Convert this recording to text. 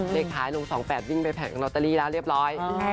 เลขท้ายลงสองแปดวิ่งไปแผ่นกันรอตตรีแล้วเรียบร้อย